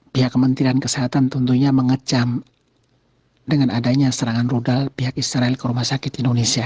pihak kementerian kesehatan tentunya mengecam dengan adanya serangan rudal pihak israel ke rumah sakit indonesia